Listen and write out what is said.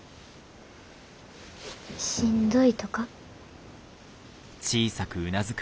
しんどいとか？